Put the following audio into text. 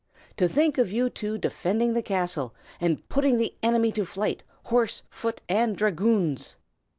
To think of you two defending the castle, and putting the enemy to flight, horse, foot, and dragoons!"